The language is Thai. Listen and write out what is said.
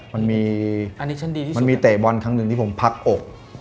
มันมีอันนี้มันมีเตะบอลครั้งหนึ่งที่ผมพักอก